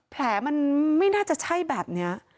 แผลมันไม่น่าจะใช่แบบนี้